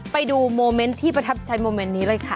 โมเมนต์ที่ประทับใจโมเมนต์นี้เลยค่ะ